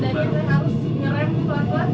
terus ngerem pelan pelan